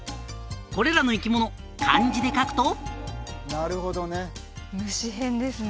これらの生き物漢字で書くと虫へんですね